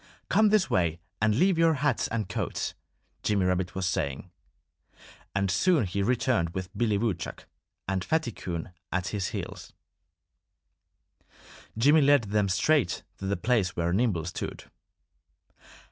"Come this way and leave your hats and coats!" Jimmy Rabbit was saying. And soon he returned with Billy Woodchuck and Fatty Coon at his heels. Jimmy led them straight to the place where Nimble stood.